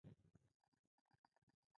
رشوت اخیستل عدالت وژني.